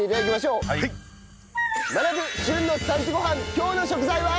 今日の食材は。